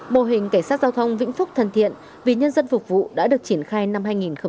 mô hình cảnh sát giao thông vĩnh phúc thần thiện vì nhân dân phục vụ đã được triển khai năm hai nghìn hai mươi hai